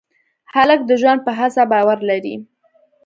هلک د ژوند په هڅه باور لري.